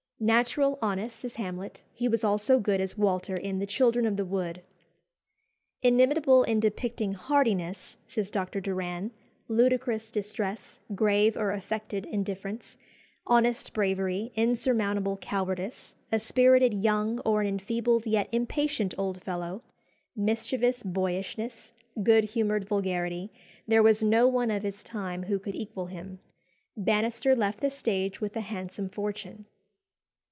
Natural, honest, as Hamlet, he was also good as Walter in "The Children of the Wood." Inimitable "in depicting heartiness," says Dr. Doran, "ludicrous distress, grave or affected indifference, honest bravery, insurmountable cowardice, a spirited young or an enfeebled yet impatient old fellow, mischievous boyishness, good humoured vulgarity, there was no one of his time who could equal him." Bannister left the stage with a handsome fortune.